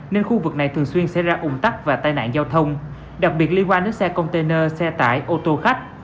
nên khu vực này thường xuyên xảy ra ủng tắc và tai nạn giao thông đặc biệt liên quan đến xe container xe tải ô tô khách